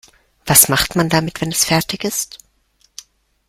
Was macht man damit, wenn es fertig ist?